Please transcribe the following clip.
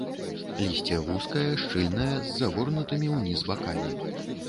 Лісце вузкае, шчыльнае, з загорнутымі ўніз бакамі.